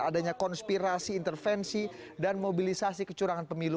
adanya konspirasi intervensi dan mobilisasi kecurangan pemilu